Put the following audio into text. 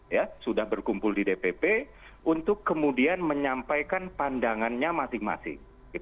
ya sudah berkumpul di dpp untuk kemudian menyampaikan pandangannya masing masing